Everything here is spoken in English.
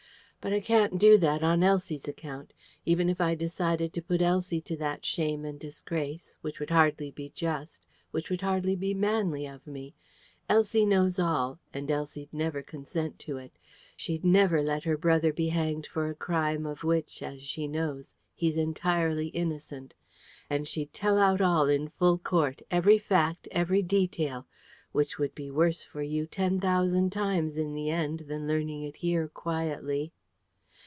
But I can't do that, on Elsie's account. Even if I decided to put Elsie to that shame and disgrace which would hardly be just, which would hardly be manly of me Elsie knows all, and Elsie'd never consent to it. She'd never let her brother be hanged for a crime of which (as she knows) he's entirely innocent. And she'd tell out all in full court every fact, every detail which would be worse for you ten thousand times in the end than learning it here quietly."